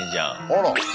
あら！